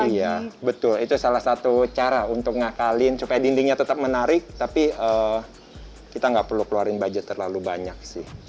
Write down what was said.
iya betul itu salah satu cara untuk ngakalin supaya dindingnya tetap menarik tapi kita nggak perlu keluarin budget terlalu banyak sih